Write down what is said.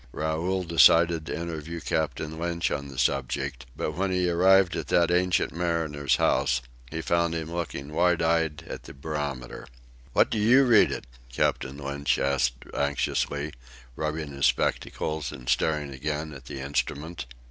Raoul decided to interview Captain Lynch on the subject, but when he arrived at that ancient mariner's house, he found him looking wide eyed at the barometer. "What do you read it?" Captain Lynch asked anxiously, rubbing his spectacles and staring again at the instrument.